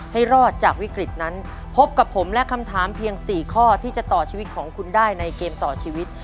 ให้รอดจากวิกฤตนั้นพบกับผมและคำถามเพียง๔ข้อที่จะต่อชีวิตของคุณได้ในเกมต่อชีวิต